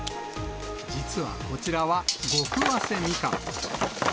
実はこちらは極早生みかん。